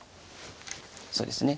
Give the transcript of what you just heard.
そうですね